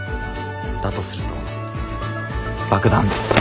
だとすると爆弾。